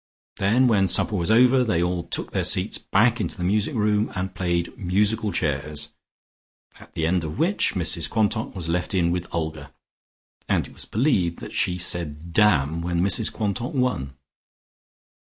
Then when supper was over they all took their seats back into the music room and played musical chairs, at the end of which Mrs Quantock was left in with Olga, and it was believed that she said "Damn," when Mrs Quantock won.